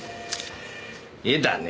絵だね。